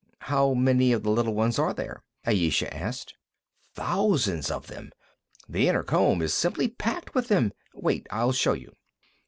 "How many of the little ones are there?" Ayesha asked. "Thousands of them; the inner comb is simply packed with them. Wait; I'll show you."